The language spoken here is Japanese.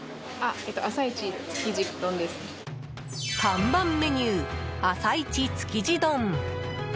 看板メニュー、朝一築地丼。